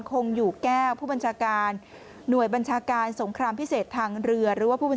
คงอยู่แก้วผู้บัญชาการหน่วยบัญชาการสงครามพิเศษทางเรือ